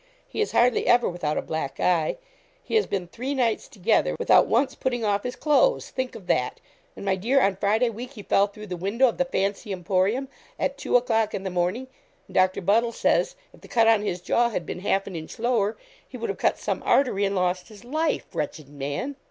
He is hardly ever without a black eye. He has been three nights together without once putting off his clothes think of that; and, my dear, on Friday week he fell through the window of the Fancy Emporium, at two o'clock in the morning; and Doctor Buddle says if the cut on his jaw had been half an inch lower, he would have cut some artery, and lost his life wretched man!'